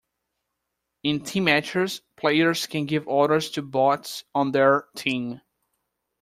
In team matches, players can give orders to bots on their team.